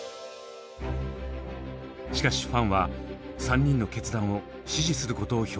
しかしファンは３人の決断を支持することを表明。